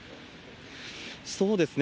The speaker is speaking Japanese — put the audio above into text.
そうですね。